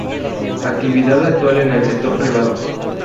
Actividad actual en el sector privado.